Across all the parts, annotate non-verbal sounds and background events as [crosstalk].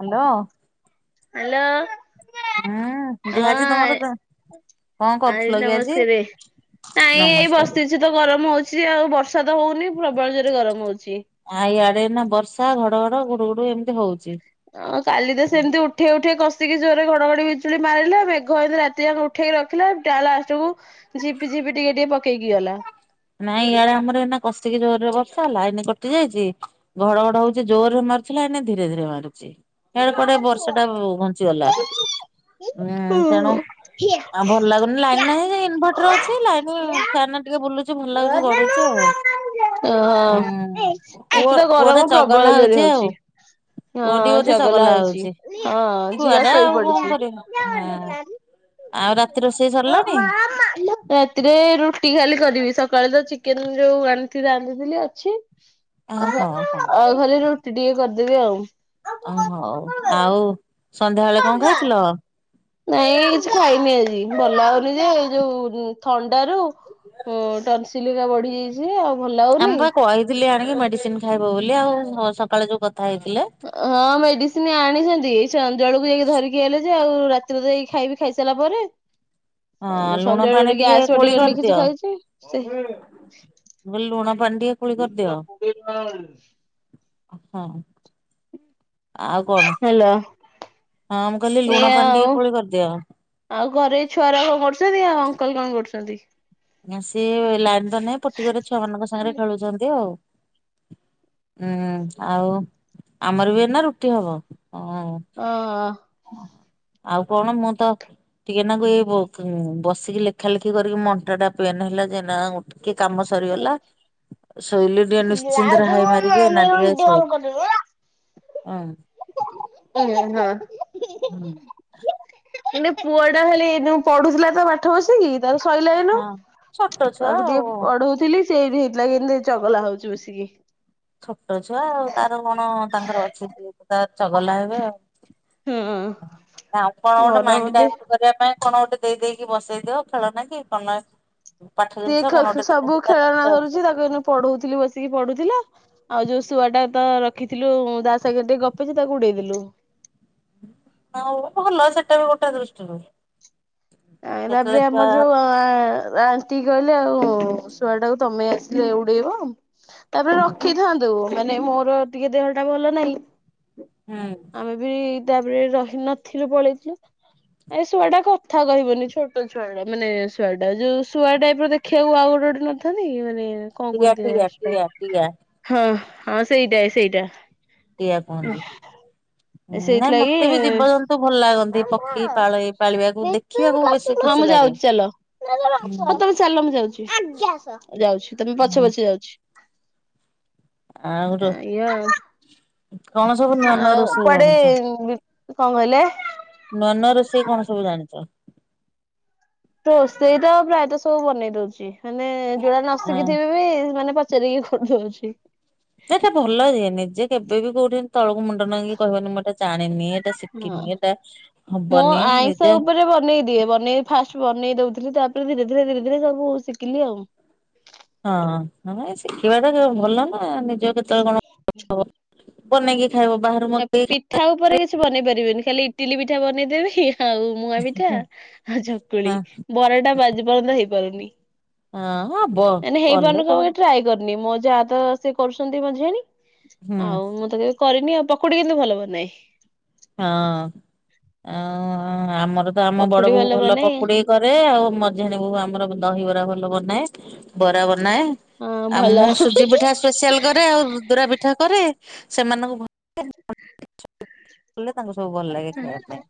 Hello. Hello. ହୁଁ ଯାହା ଅଛି ତମର ତ ଆଈ ନମସ୍କାରେ। ନାଇଁ ଏଇ ନମସ୍କାର ବସିଛୁ ତ ଗରମ ହଉଛି ଯେ ଆଉ ବର୍ଷା ତ ହଉନି ପ୍ରବଳ ଜୋରେ ଗରମ ହଉଛି। ଆ ଇଆଡେ ନା ବର୍ଷା ଘଡଘଡ ଘୁଡୁଘୁଡୁ ଏମତି ହଉଛି। ଆଉ କାଲି ତ ସେମତି ଉଠେଇ ଉଠେଇ କଷିକି ଜୋରରେ ଘଡଘଡି ଘଡି ବିଜୁଳି ମାରିଲା ମେଘ ଏନ୍ତି ରାତି ଯାକ ଉଠେଇକି ରଖିଲା ଟା ଲାଷ୍ଟକୁ ଝିପି ଝିପି ଟିକେ ଟିକେ ପକେଇକି କି ଗଲା। ନାଇଁ ଇଆଡେ ଆମର ଏଇନା କଷିକି ଜୋରରେ ବର୍ଷା ହେଲା, ଲାଇନି କଟି ଯାଇଛି, ଘଡଘଡ ହଉଛି ଜୋରରେ ମା ମାରୁଥିଲା ଏଇନେ ଧୀରେ ଧୀରେ ମାରୁଚି ହିଆଡେ କୁଆଡେ ବର୍ଷା ଟା ଘୁଞ୍ଚିଗଲା। ହୁଁ। ସେଣୁ ଆଉ ଭଲ ଲାଗୁନି, ଲାଇନ୍ ନାହିଁ ଇନଭର୍ଟର ଅଛି ଲାଇନି ଫ୍ୟାନ ଟିକେ ବୁଲୁ ହଁ ଉଁ ହଁ। ପୁଅ ସେଠି ତ ପୁଅଟା ଗରମ ଚଗଲା ପ୍ରବଳ ଜୋର ହଉଛି ହଉ ଚି। ଆଉ ହଁ ପୁଅଟି ହଁ ବୋଧେ ଚଗଲା ହଉଚି। ହଉଛି। ହଁ ଛୁଆ ଝିଅ ଟା ଆଉ କଣ ଶୋଇପଡିଚି। କରିବ ହଁ। ଆଉ ରାତି ରୋଷେଇ ମା ସରିଲାଣି ମା ରାତିରେ ରୁଟି ଖା କାଲି କରିବି। ସକାଳେ ତ ଚିକେନ ଯୋଉ ଆଣିକି ରାନ୍ଧିଥିଲି ଅଛି ଅ ଆ ହଉ ହଉ ଆଉ ଖାଲି ରୁଟି ଟିକେ କରିଦେବି ଆଉ। ଓହୋ ହଉ। ଆଉ ସନ୍ଧ୍ୟାବେଳେ କଣ ଖାଇଥିଲ? ନାଇଁ କିଛି ଖାଇନି ଆଜି। ଭଲ ଲାଗୁନି ଯେ ଏ ଯୋଉ ଥଣ୍ଡାରୁ ହୁଁ ଟନସିଲ ହେଇକା ବଢି ଯାଇଛି ଆଉ ଭଲ ଲାଗୁନି। ଆମେ ପା କହିଥିଲି ଆଣିକି ମେଡିସିନ ଖାଇବ ବୋଲି ଆଉ ସକାଳେ ଯୋଉ କଥା ହେଇଥିଲେ। ହଁ ମେଡିସିନ ଆଣିଛନ୍ତି, ସଂଜବେଳକୁ ଯାଇକି ଧରିକି ଆଇଲେ ଯେ ଆଉ ରାତିରେ ଯାଇ ଖାଇବି ଖାଇସାରିଲା ପରେ ହଁ ଲୁଣ ସଞ୍ଜବେଳେ ପାଣି ଗୋଟେ ଟିକେ ଗ୍ୟାସ୍ କୋଳି ବଟିକା ବୋଲି କରିଦିଅ କିଛି ଖାଇଛି। ସେ ମୁଁ କହିଲି ଲୁଣ ପାଣି ଟିକେ କୁଳି କରିଦିଅ। ହଁ। ଆଉ କଣ? ହାଲୋ ହଁ ମୁଁ କହିଲି ଲୁଣ ଏଇଆ ପାଣି ଟିକେ ଆଉ। କୋଳି କରିଦିଅ। ଆଉ ଘରେ ଏଇ ଛୁଆ ଗୁରା ସବୁ କଣ କରୁଛନ୍ତି ଆଉ ଅଙ୍କଲ କଣ କରୁଛନ୍ତି? ସିଏ ଲାଇନ ତ ନାହିଁ ପୋଟିକରେ ଛୁଆ ମାନଙ୍କ ସାଙ୍ଗରେ ଖେଳୁଛନ୍ତି ଆଉ। ହୁଁ ଆଉ ଆମର ବି ଏଇନା ରୁଟି ହବ। ହଁ। ହଅ ଆଉ କଣ ମୁଁ ତ ଟିକେ ନାକୁ ଏଇ ବ-ବସିକି ଲେଖା ଲେଖି କରିକି ମୋ ଅଣ୍ଟାଟା ପେନ୍ ହେଲା ଯେ, ଏଇନା ଆଉ କି କାମ ସରିଗଲା ଶୋଇଲି ଟିକେ ମାନେ ନିଶ୍ଚିନ୍ତରେ ପୁଅ ହାଇ ମାରିକି ଏଇନା ଟିକେ ଶୋଇଲି। ହଁ। ହଁ ହଁ। ହୁଁ। ଏଇନେ ପୁଅଟା ହେଲେ ଯୋଉ ପଢୁଥିଲା ତ ପାଠ ବସିକି ତାର ସଇଲା ଏଇନୁ, ହଁ। ଛୋଟ ଛୁଆ ତାକୁ ଆଉ ଟିକେ ପଢଉଥିଲି ସେଇଠି ହେଇଥିଲା କେନ୍ତି ଚଗଲା ହଉଛି ବସିକି। ଛୋଟଛୁଆ ଆଉ ତାର କଣ ତାଙ୍କର ଅଛି ସିଏ ତାର ଚଗଲା ହେବେ ଆଉ। ହଁ ଆଉ କଣ ଗୋଟେ ଗରମ ମାଇଣ୍ଡି ଦେ ଡାଇଭଟ କରିବା ପାଇଁ କଣ ଗୋଟେ ଦେଇଦେଇକି ବସେଇ ଦିଅ, ଖେଳନା କି କଣ ନା ସିଏ ଖେ ଖେ ସବୁ ଖେଳନା ବସିବ। ଧରୁଛି। ତାକୁ ଏଇନୁ ପଢଉଥିଲି ବସିକି ପଢୁଥି ଥିଲା ଆଉ ଯୋଉ ଶୁଆଟା ତ ରଖିଥିଲୁ ତା ସାଗେଂ ଟିକେ ଗପେ ଯେ ତାକୁ ଉଡେଇଦେଲୁ। ହଉ ଭଲ ସେଟା ବି ଗୋଟେ ଦୃଷ୍ଟିରୁ ନାଇଁ ଯେତେବେଳେ ତାପରେ ଛୁଆ ଆମର ଯୋଉ ଅ ଆଣ୍ଟି କହିଲେ ଆଉ ଶୁଆ ଟାକୁ ତମେ ଆସିଲେ ଉଡେଇବ। ତାପରେ ହୁଁ ରଖିଥାନ୍ତୁ ମାନେ ମୋର ଟିକେ ଦେହ ଟା ଭଲ ନାହିଁ। ହୁଁ। ଆମେ ବି ତାପରେ ରହିନଥିଲୁ ପଳେଇଥିଲୁ ଏ ଶୁଆ ଟା କଥା ଥା କହିବନି ଛୋଟ ଛୁଆଟେ ମାନେ ଶୋଆଟା। ଯୋଉ ଶୁଆ ଟାଇପ ର ଦେଖିବାକୁ ଆଉ ଗୋଟେ ଗୋଟେ ଟେ ନଥାନ୍ତି ମାନେ କଣ ଟିଆ କୁହନ୍ତି ଟିଆ ଟିଆ ଟିଆ ହଁ ହଁ ସେଇଟା ସେଇଟା ଟିଆ କୁହନ୍ତି। ହୁଁ ନାଇଁ ସେଇଥିଲାଗି ମତେ ବି ଜୀବଜନ୍ତୁ ଭଲ ଲାଗନ୍ତି ପକ୍ଷୀ ପାଳ ପାଳିବାକୁ ଦେଖିବାକୁ ବେଶୀ ହଁ ଖୁସି ମୁଁ ଲାଗେ। ଯାଉଛି ଚାଲ ହୁଁ ତମେ ଚାଲ ମୁଁ ଯାଉଛି ଯାଉଛି ତମେ ପଛେ ପଛେ ଯାଉଛି। ଆଉ ରୋ ନାଇଁ କଣ ସବୁ ଆଉ ନୂଆ ନୂଆ ଆଉ ରୋଷେଇ କୁଆଡେ ଜାଣିଛ? କଣ କହିଲେ? ନୂଆ ନୂଆ ରୋସେଇ କଣ ସବୁ ଜାଣିଛ? ରୋଷେଇ ତ ପ୍ରାୟତଃ ସବୁ ବନେଇ ଦଉଛି ମାନେ ଯୋଡା ନ ହଁ ଶିଖିଥିବି ବି ମାନେ ପ ଚାରିକି କରିଦଉଛି। ଏଇଟା ଭଲ ଯେ ନିଜେ କେବେବି କୋଉଠି ତଳକୁ ମୁଣ୍ଡ ନୁଇଁ କି କହିବନି ମୁଁ ଏଟା ଜାଣିନି ଏଟା ହଁ ଶିଖିନି ଏଇଟା ହବନି ନିଜେ ଯେ ବନେଇ ଫାଷ୍ଟ ବନେଇ ଦଉଥିଲି। ତାପରେ ଧୀରେ ଧୀରେ ଧୀରେ ଧୀରେ ସବୁ ଶିଖିଲି ଆଉ। ହଁ ଶିଖିବା ଟା ଭଲ ନା ନିଜ କେତେବେଳେ କଣ [unintelligible] ବନେଇକି ଖାଇବ ବାହାରୁ ଏ ମଗେଇ ପିଠା ଉପରେ କିଛି ବନେଇ ପାରିବନି ଖାଲି ଇଟିଲି ପିଠା ବନେଇଦେବି ଆଉ ମୁଆ ପିଠା ହଁ ଆଉ ଚକୁଳି ବରାଟା ବାଜି ପର୍ଯ୍ୟନ୍ତ ହେଇପାରୁନି। ହଁ। ହବ ମାନେ କଲେ ହେଇପାରୁନ କ କଣ ଆମ ଟ୍ରାଏ କରି ନି ମୋ ଯା ତ ସିଏ କରୁଛନ୍ତି ମଝିଆଣି ହୁଁ। ଆଉ ମୁଁ ତ କେବେ କରିନି ଆଉ। ପକୁଡି କିନ୍ତୁ ଭଲ ବନାଏ। ହଁ ହ। ଆମର ତ ଆମ ବଡ ପକୁଡି ବୋହୁ ଭଲ ବନାଏ ପକୁଡି କରେ। ଆଉ ମଝିଆଣୀ ବୋହୁ ଆମର ଦହିବରା ଭଲ ବନ ନାଏ ବରା ବ ନାଏ ହଁ ଆଉ ଭଲ। ମୁଁ ସୁଜି ପିଠା ସ୍ପେସିଆଲ କରେ ଆଉ ଦୁଦୂରା ପିଠା କରେ। ସେମାନଙ୍କୁ କଲେ ତାଙ୍କୁ ସବୁ ଭଲ ଲାଗେ ଖାଇବା ପାଇଁ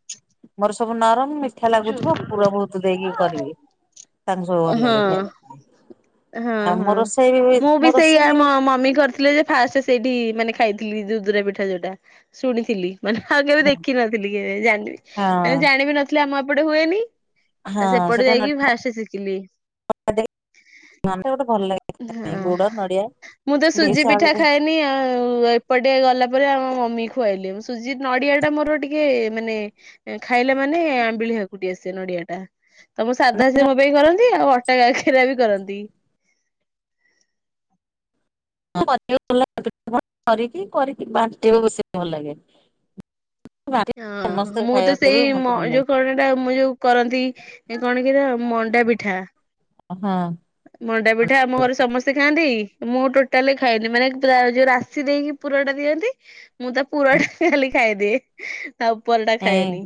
ମୋର ସବୁ ନରମ ମୀଠା ଲାଗୁଥିବ ପୁର ବହୁତ ଦେଇକି କରିବି ତାଙ୍କୁ ସବୁ ଭଲ ଲାଗେ ହଁ ଖାଇବା ହଁ ଆଉ ହଁ ମୋ ରୋଷେଇ ମୁଁ ମୋ ବି ସେଇ ରୋଷେଇ ଆମ ମମି କରିଥିଲେ ଯେ ଫାଷ୍ଟ ସେଇଠି ମାନେ ଖାଇଥିଲି ଯୋଉ ଦୁଦୁରା ପୀଠା ଯୋଉଟା ଶୁଣିଥିଲି ମାନେ ଆଉ କେବେ ଦେଖିନଥିଲି କେବେ ଜାଣିବି ମାନେ ହଁ ଜାଣିବି ନଥିଲି। ଆମ ଏପଟେ ହୁଏନି ଆ ହଁ ସେପଟେ ସେଟା ଯାଇକି ନଡିଆ ଫାଷ୍ଟ ଶିଖିଲି। [unintelligible] ଗୋଟେ ଭଲ ଲାଗେ। ଖାଇବା ହଁ ପାଇଁ ଗୁଡ ନଡିଆ ମୁଁ ତ ବିଟ ସୁଜି ପିଠା ଆଳୁ ଖାଇନି ଆଉ ଏପଟେ ଗଲା ପରେ ଆ ମମି ଖୁଆଇଲେ ସୁଜି ନଡିଆ ଟା ମୋର ଟିକେ ମାନେ ଖାଇଲା ମାନେ ଆମ୍ବିଲୀ ହାକୁଡ଼ି ଆସେ ନଡିଆ ଟା ତ ମୋ ସାଧା ଦେଇକି ସେ ମୋ ପାଇଁ କରନ୍ତି ଆଉ ଅଟା କାକେରା ବି କରନ୍ତି। କରିକି କରିକି ବାଣ୍ଟିବାକୁ ବେସି ଭଲ ଲାଗେ। ବାଣ୍ଟି ସମସ୍ତେ ହଁ ମୁଁ ତ ଖାଇବାକୁ ଦେବି ସେଇ ମତେ ଭଲ ଯୋଉ ଲାଗେ କଣ ଟା ମୁଁ ଯୋଉ କରନ୍ତି କଣ କି ଏରା ମ ମଣ୍ଡା ପିଠା ହଁ। ମଣ୍ଡା ପିଠା ଆମ ଘରେ ସମସ୍ତେ ଖାଆନ୍ତି। ମୁଁ ଟୋଟାଲେ ଖାଏନି ମାନେ ପୁରା ଯୋଉ ରାଶି ଦେଇକି ପୁରଟା ଦିଅନ୍ତି। ମୁଁ ତା ପୁରଟା ଖାଲି ଖାଇଦିଏ। ତା ଉପରଟା ହେଁ, ଖାଏନି।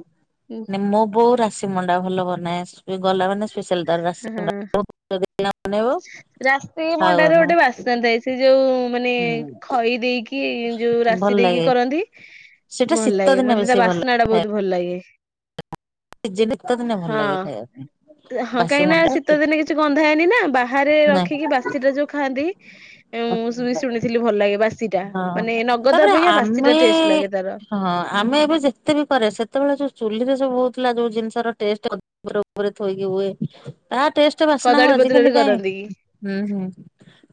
ମାନେ ମୋ ବୋଉ ରାଶି ମଣ୍ଡା ଭଲ ବନାଏ। ସେ, ଗଲା ମାନେ ସ୍ପେଶାଲ ତାର ରାଶି ହୁଁ, ମଣ୍ଡା। ହୁଁ। ବନେଇବ ରାଶି ଖାଉ ମଣ୍ଡାରେ ଆମେ ଗୋଟେ ବାସ୍ନା ଥାଏ। ସେ ଯୋଉ ମାନେ ହୁଁ ଖଇ ଦେଇକି, ଯୋଉ ଭଲ ରାଶି ଦେଇକି, ଲାଗେ। କରନ୍ତି। ସେଇଟା ଭଲ ଶୀତ ଲାଗେ। ଦିନେ ମତେ ବେଶୀ ତା ଭଲ ବାସ୍ନା ଟା ବହୁତ ଭଲ ଲାଗେ। ନିଜେ ନିତ ଦିନେ, ଭଲ ଲାଗେ ଖାଇବା ପାଇଁ। ବାସି କାହିଁକିନା, ଶୀତ ଦିନେ କିଛି ଗନ୍ଧା ଏନିନା, ବାହାରେ ନାଇଁ ରଖିକି ବାସିଟା ଯୋଉ ଖାଆନ୍ତି। ଏ ମତେ ମୁଁ, ଭଲ ଶୁଣି- ଲାଗେ। ଶୁଣିଥିଲି ଭଲ ଲାଗେ ବାସି ଟା। ହଁ ମାନେ ନଗଦ ଅପେକ୍ଷା, ବାସି ଟା ଟେଷ୍ଟ ଲାଗେ ତାର। ଆ-ଆମେ ଏବେ ଯେତେ ବି କରେ, ସେତବେଳେ ଯୋଉ ଚୁଲିରେ ସବୁ ବହୁ ଥିଲା ଯୋଉ ଜିନିଷର ଟେଷ୍ଟ୍, ଅଧି- ଉପରେ, ଉପରେ ଥୋଇକି ହୁଏ। ତା ଟେଷ୍ଟ ବାସ୍ନା ହଉ କଦଳୀ ପତ୍ରରେ ଆଜିିକାଲି କାଇଁ? କରନ୍ତି କି ହୁଁ, ହୁଁ।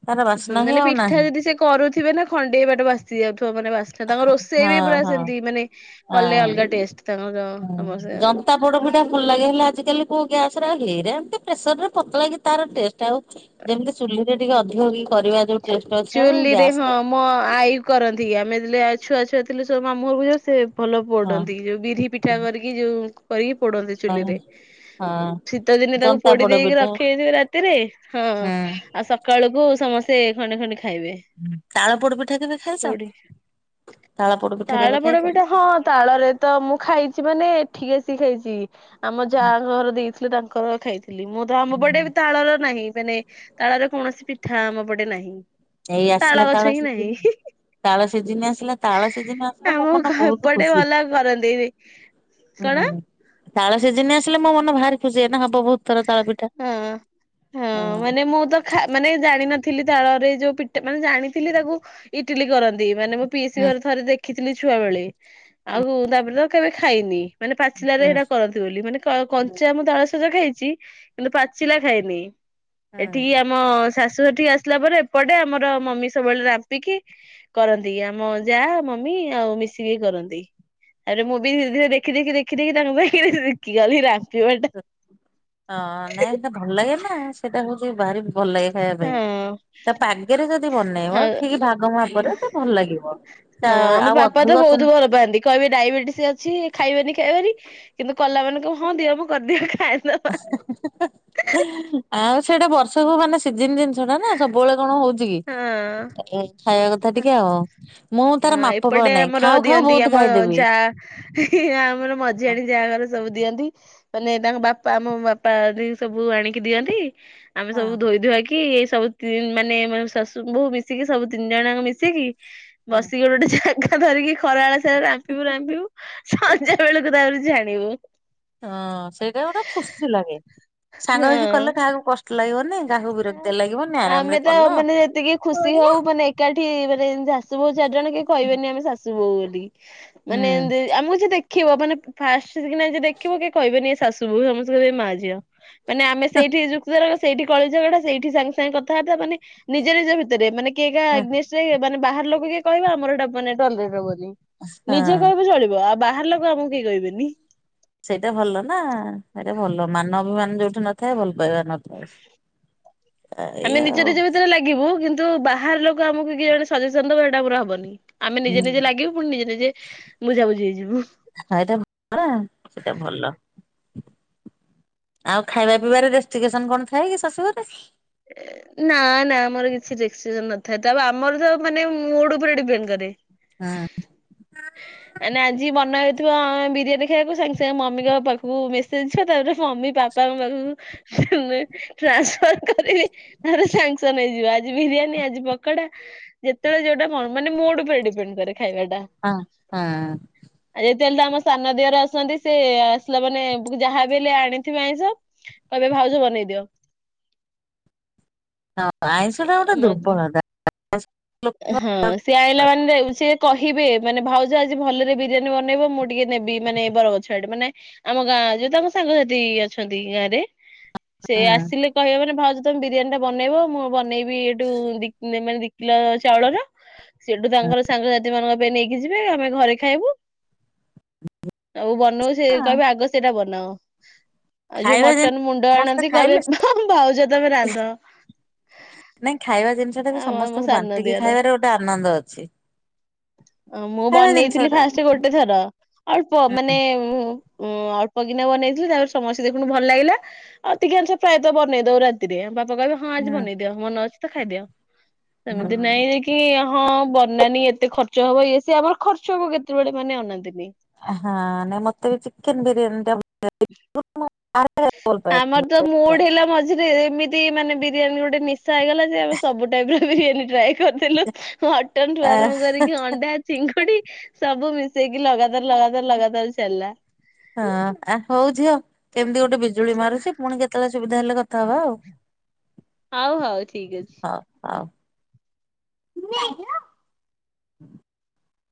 ତାର ବାସ୍ନା ହୁଁ, ହିଁ ମାନେ ଆଉ ପିଠା ନାହିଁ ଯଦି ସେ କରୁଥିବେ ନା, ଖଣ୍ଡିଏ ବାଟ ବାସି ଯାଉ ଥିବ। ତୋ, ମାନେ ବାସ୍ନା ତାଙ୍କର। ରୋଷେଇ ହଁ ବି ପୁରା ହଁ। ସେମିତି, ମାନେ କଲେ ହଁ। ଅଲଗା ଟେଷ୍ଟ ତାଙ୍କର ସମିସ୍ତିଙ୍କର। ତା ପୋଡ଼ ପିଠା ଭଲ ଲାଗେ। ହେଲେ ଆଜି କାଲି କୋଉ ଗ୍ୟାସ୍ ରେ ଏରା ଏମତି ପ୍ରେସରରେ, ପତଲାଗି ତାର ଟେଷ୍ଟ। ଆଉ ଯେମିତି ଚୁଲିରେ ଟିକେ ଅଧିକ କି କରିବା ଯୋଉ ଟେଷ୍ଟ ଅଛି ଆଉ ଚୁଲିରେ, ହଁ। ଗ୍ୟାସରେ ମୋ ଆଇ କରନ୍ତି। ଆମେ ଯେତେ ଛୁଆ, ଛୁଆ ଥିଲୁ, ସବୁ ମାମୁଁ ଘର ଯାଉ। ସେ ଭଲ ହଁ ପୋଡନ୍ତି। ଯୋଉ ବିରି ପିଠା କରିକି, ଯୋଉ କରିକି ପୋଡନ୍ତି ଚୁଲିରେ। ହଁ ଶୀତ ଦିନେ, ତାକୁ ଜନ୍ତା ପୋଡି ପୋଡ ଦେଇକି, ପିଠା ରଖିଦେଇଥିବେ ରାତିରେ। ହଁ, ହୁଁ। ଆଉ ସକାଳୁକୁ ବୋଉ ସମସ୍ତେ ଖଣ୍ଡେ, ଖଣ୍ଡେ ତାଳ ପୋଡ ପିଠା, ତମେ ଖାଇଛ? ପୋଡି ତାଳ ପୋଡ ପିଠା ତାଳ କେବେ ପୋଡ ଖାଇଛ? ପିଠା ହଁ, ତାଳରେ ତ ମୁଁ ଖାଇଛି ମାନେ ଏଠିକି ଆସିକି ଖାଇଛି। ଆମ ଯା ଘର ଦେଇଥିଲେ, ତାଙ୍କର ଖାଇଛି। ଥିଲି। ମୁଁ ତ ଆମ ପଟେ ତାଳର ନାହିଁ। ସେ ନେଇ, ମାନେ ତାଳର କୌଣସି, ପିଠା ଆମ ପଟେ ନାହିଁ। ଏଇ ଆସିଲା, ଗଛ ତାଳ ହିଁ ସିଜିନ୍। ନାହିଁ ତାଳ ସିଜିନ୍ ଆସିଲା। ତାଳ ସିଜିନ୍ ଆସିଲେ, ମୋ ଆମ ମନ ବହୁତ ଏପଟେ ଖୁସି। ଭଲ କରନ୍ତି କଣ ହୁଁ ତାଳ ସିଜିନ୍ ଆସିଲେ ମୋ ମନ ଭାରି ଖୁସି। ଏନା ହବ ବୋହୁତ୍। ହଁ, ହଁ। ମାନେ ମୁଁ ତ ଖା-ମାନେ ଜାଣି ନ ଥିଲି। ତାଳରେ ଯୋଉ ପି- ମାନେ ଜାଣିଥିଲି, ତାକୁ ଇଟିଲି କରନ୍ତି। ମାନେ ମୋ ପିଇସି ହୁଁ ଘରେ, ଥରେ ଦେଖି ଥିଲି ଛୁଆବେଳେ। ଆଉ ତାପରେ, ତ କେବେ ଖାଇନି। ମାନେ ପାଚିଲାରେ, ହୁଁ। ଏଇଟା କରନ୍ତି ବୋଲି। ମାନେ କଞ୍ଚା ମୁଁ ତାଳସଜ ଖାଇଛି। କିନ୍ତୁ ପାଚିଲା ଖାଇନି। ଏଠିକି ହୁଁ। ଆମ ଶା ସୂ, ଏଠିକି ଆସିଲା ପରେ, ଏପଟେ ଆମର ମମି ସବୁବେଳେ, ରାମ୍ପିକି କରନ୍ତି। ଆମ ଯାହା, ମମି ଆଉ' ମିଶିକି କରନ୍ତି। ତାପରେ ମୁଁ ବି ଧୀରେ, ଦେଖି, ଦେଖି, ଦେଖି, ଦେଖି ତାଙ୍କୁ ପାଖରେ ଶିଖିଗଲି ରା ହଁ, ନାଇଁ ସେ ଭଲ ଲାଗେ ନା। ସେଇଟା ହଉଛି ବାରି ଭଲ ଲାଗେ ଖାଇବା ପାଇଁ। ହଁ ତା ପାଗରେ ଯଦି ବନେଇବ, ହଁ ଠିକ୍ ଭାଗ ମାପରେ ତ ଭଲ ଲାଗିବ। ତା ହଁ, ଆମ ଆଉ ବାପା ତ ଅଧିକ ଚ ବହୁତ ଭଲ ପାଆନ୍ତି। କହିବେ ଡାଇବେଟିସ ଅଛି, ଖାଇବେନି, ଖାଇବାରି କିନ୍ତୁ କଲା ମାନେ କହିବେ, ହଁ ଦିଅ ମୁ କରିଦିଏ ଖାାଇଦବା। ଆଉ ସେଇଟା ବର୍ଷକୁ ମାନେ, ସିଜନ ଜିନିଷଟା ନା, ସବୁବେଳେ କଣ ହଉଛି କି, ହଁ ଏଇ ଖାଇବା କଥା ଟିକେ ଆଉ। ମୁଁ ତାର ମାପ ପାଉ ନାହିଁ। ଖାଉ, ଖାଉ ଏମିତି ବହୁତ ଆମ ଖାଇଦେବି। ଯା। ହି, ହି ଆମର ମଝିଆଣ ଯା ଘର ସବୁ ଦିଅନ୍ତି। ମାନେ ତାଙ୍କ ବାପା, ଆମ ବାପା ବି ସବୁ ଆଣିକି ଦିଅନ୍ତି। ଆମେ ସବୁ ଧୋଇ ଧୁଆକି, ଏଇ ସବୁ କ୍ଲିନ୍, ମାନେ ଶାଶୁ ବୋହୂ ମିଶିକି, ସବୁ ତିନି ଜଣାଙ୍କ ମିଶିକି, ବସିକି ଗୋଟେ ଜାଗା ଧରିକି, ଖରା ବେଳ ରାମ୍ପିବୁ, ରାମ୍ପିବୁ ସଞ୍ଜ ବେଳକୁ ତାପରେ ଜାଣିବୁ। ହଁ ସେଇଟା ଗୋଟେ ଖୁସି ଲାଗେ। ହଁ। ସାଙ୍ଗ ହେଇକି କଲେ, କାହାକୁ କଷ୍ଟ ଲାଗିବନି। କାହାକୁ ବିରକ୍ତି ଲାଗିବନି ଆରାମରେ ଆମେ ତ କଲ। ମାନେ ଯେତିକି ହୁଁ ଖୁସି ହଉ, ମାନେ ଏକାଠି ମାନେ ଶାଶୁ, ବୋହୂ ଚାରି ଜଣ, କେହି କହିବେନି, ଆମେ ଶଶୁ ବୋହୂ ବୋଲି। ମାନେ ଏମ୍ ତି ଆମକୁ, ଯିଏ ଦେଖିବ ମାନେ ଫାଷ୍ଟ କିନା ଯିଏ ଦେଖିବ କିଏ କହିବେନି ଇଏ ଶାଶୁ ତୁ ଏମିତି ଗୋଟେ ମା ଝିଅ ମାନେ ଆମେ ସେଇଠି ଯୁକ୍ତିତରକ ସେଇଠି କଳି ଝଗଡ଼ା ସେଇଠି ସାଙ୍ଗେ ସାଙ୍ଗେ କଥାବାର୍ତ୍ତା ମାନେ ନିଜ ନିଜ ଭିତରେ ମାନେ କିଏ କାହା ଏଗନେଷ୍ଟ୍ ମାନେ ବାହାର ଲୋକ କିଏ କହିବ ଆମର ଏଇଟା ମାନେ [unintelligible] ନିଜେ ହଁ। କହିବ ଚଳିବ। ବାହାର ଲୋକ ଆମକୁ କେହି କହିବେନି। ସେଇଟା ଭଲ ନା ସେଇଟା ଭଲ ମାନ ଅଭିମାନ ଯୋଉଠି ନଥାଏ ଭଲ ପାଇବା ନଥାଏ। [inaudible] ଆମେ ଏଇଆ ନିଜ ଆଉ ନିଜ ଭିତରେ ଲାଗିବୁ କିନ୍ତୁ ବାହାର ଲୋକ ଆମକୁ କିଏ ଜଣେ ସଜେସନ୍ ଦବ ସେଇଟା ଆମର ହବନି। ଆମେ ହୁଁ ନିଜେ ନିଜେ ଲାଗିବୁ ପୁଣି ନିଜେ ନିଜେ ବୁଝାବୁଝି ହେଇଯିବୁ। ହଁ ଏଇଟା ଭଲ ନା ଏଇଟା ଭଲ। ଆଉ ଖାଇବା ପିଇବାରେ ରେଷ୍ଟ୍ରିକେସନ୍ କଣ ଥାଏ କି ଶାଶୁ ଘରେ? ନା ନା ଆମର କିଛି ରେଷ୍ଟ୍ରିକେସନ୍ ନଥାଏ ତା ଆମର ତ ମାନେ ମୁଡ୍ ଉପରେ ଡିପେଣ୍ଡ୍ କରେ। ହଁ ଆଜି ମନ ହେ ବିରିୟାନୀ ଖାଇବାକୁ ସାଙ୍ଗେ ସାଙ୍ଗେ ମମିଙ୍କ ପାଖକୁ ମେସେଜ ଯିବ ତାପରେ ମମି ବାପାଙ୍କ ପାଖକୁ ହୁଏ ଟ୍ରାନସ୍ଫର। କରିବି ତାହେଲେ ସାଙ୍ଗସନ୍ ହେଇଯିବ ଆଜି ବିରିୟାନୀ ଆଜି ପକୋଡା ଯେତେବେଳେ ଯୋଉଟା ମନ ମୁଡ୍ ଉପରେ ଡିପେଣ୍ଡ୍ କରେ। ଖାଇବାଟା। ହଁ ହଁ। ଆଉ ଯେତେବେଳେ ଆମ ସାନ ଦିଅର ଆସନ୍ତି ସେ ଆସିଲେ ମାନେ ଯାହା ବି ହେଲେ ଆଣିଥିବ ଆଇଁଷ। କହିବେ ଭାଉଜ ବନେଇଦିଅ। ହଁ ଆଇଁଷ ଟା ଗୋଟେ ଦୁର୍ବଳତା। ହୁଁ ସେ ଆଁଇଲା ମା ସିଏ କହିବେ ମାନେ ଭାଉଜ ଆଜି ଭଲରେ ବିରିୟାନୀ ବନେଇବ ମୁଁ ଟିକେ ନେବି ମାନେ ବର ଗଛଆଡେ ମାନେ- ଆମ ଗାଁ ଯୋଉ ତାଙ୍କ ସାଙ୍ଗସାଥି ଅଛନ୍ତି ଗାଁ ରେ। ସେ ହଁ। ଆସିଲେ କହିବ ମାନେ ଭାଉଜ ତମେ ବିରିୟାନୀ ଟା ବନେଇବ ମୁଁ ବନେଇବି। ବି ଏଠୁ ଦି ଦି କିଲୋ ଚାଉଳର ସେଠୁ ହଁ ତାଙ୍କର ସାଙ୍ଗସାଥି ମାନଙ୍କ ପାଇଁ ନେଇକି ଯିବେ ଆମେ ଘରେ ଖାଇବୁ। ଆଉ ବନଉ ସେ ହଁ କହିବେ ଆଗ ସେଟା ବନାଅ। ଆଉ ଯୋଉ ଖାଇବା ଜିନି ମଟନ ମୁଣ୍ଡ ସମସ୍ତେ ଆଣନ୍ତି କହିବେ ଖାଇଲେ ଭାଉଜ ତମେ ରାନ୍ଧ। ନାଇଁ ଖାଇବା ଜିନିଷ ଟା ବି ଆଉ ଆମ ସମସ୍ତଙ୍କୁ ସାନ ବାଣ୍ଟିକି ଦିଅର ଖାଇବାରେ ଗୋଟେ ଆନନ୍ଦ ଅଛି। ମୁଁ ଖାଇବା ଜିନିଷ ବନେଇଥିଲି ଟା। ଫାଷ୍ଟ ଗୋଟେ ଥର ଅଳ୍ପ ମାନେ ଉଁ ଅଳ୍ପ କିନା ବନେଇଥିଲୁ ତାପରେ ସମସ୍ତେ ଦେଖନ୍ତୁ ଭଲ ଲାଗିଲା ଆଉ ଟିକେ ଅଧିକାଂଶ ପ୍ରାୟତ ବନେଇ ଦଉ ରାତିରେ ବାପ କହିବେ ହଁ ଆଜି ହୁଁ ବନେଇଦିଅ ମନ ଅଛି ତ ଖାଇଦିଅ ହୁଁ। ସେମିତି। [unintelligible] ହଁ ବନାନୀ ଏତେ ଖର୍ଚ୍ଚ ହବ ଇଏ ସିଏ ଆମର ଖର୍ଚ୍ଚ ହବ କେତେବେଳେ ମାନେ ଅନାନ୍ତିନି। ହଁ ନାଇ ମତେ ବି ଚିକେନ ବିରିୟାନୀ ଟା [unintelligible] ଭଲ ପାଏନି। ଆମର ତ ମୁଡ୍ ହେଲା ମଝିରେ ଏମିତି ମାନେ ବିରିୟାନୀ ଗୋଟେ ନି ଶା ହେଇଗଲା ଯେ ଆମେ ସବୁ ଟାଇମ୍ ରେ ବିରିୟାନୀ ଟ୍ରାଏ କରିଦେଲୁ ମଟନଠୁ ଆରମ୍ଭ କରିକି ଅଣ୍ଡା ଚିଙ୍ଗୁଡି ସବୁ ମିଶ ହଁ ହଉଝିଅ କେମିତି। ଗୋଟେ ବିଜୁଳି ମାରୁଛି ପୁଣି କେତେବେଳେ ସୁବିଧା ହେଲେ କଥା ହବା ଆଉ। ହଉ ହଉ ଠିକ୍ ଅଛି। ହଉ [unintelligible]